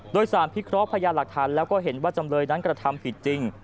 โดยสารพิเคราะห์พยานหลักฐานแล้วก็เห็นว่าจำเลยนั้นกระทำผิดจริง